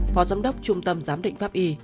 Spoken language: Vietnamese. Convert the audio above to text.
phó giám đốc trung tâm giám định pháp y